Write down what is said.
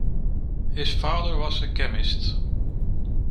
His father was a chemist.